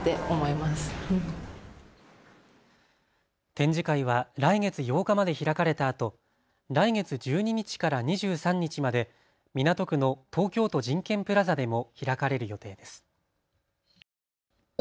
展示会は来月８日まで開かれたあと来月１２日から２３日まで港区の東京都人権プラザでも開かれる予定です。